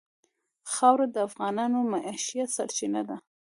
خاوره د افغانانو د معیشت سرچینه ده.